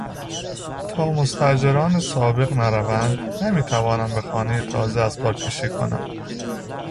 تا مستاجران سابق نروند نمیتوانم به خانهی تازه اسباب کشی کنم.